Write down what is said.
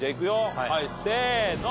はいせーの。